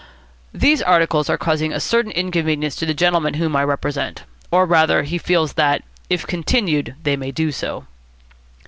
"These articles are causing a certain inconvenience to the gentleman whom I represent. Or, rather, he feels that, if continued, they may do so."